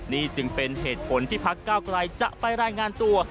นี่จึงเป็นเหตุผลที่พักเก้าไกลจะไปรายงานตัว